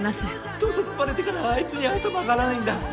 盗撮ばれてからあいつに頭上がらないんだ。